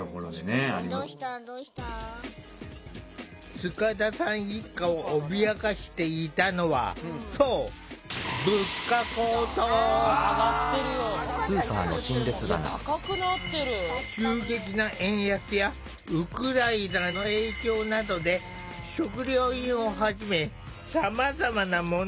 塚田さん一家を脅かしていたのはそう急激な円安やウクライナの影響などで食料品をはじめさまざまな物の値段が上昇中だ。